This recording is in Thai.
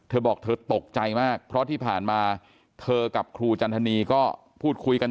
เธอบอกเธอตกใจมากเพราะที่ผ่านมาเธอกับครูจันทนีก็พูดคุยกัน